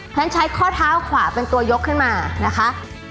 ฉันใช้ข้อเท้าขวาเป็นตัวยกขึ้นมานะคะ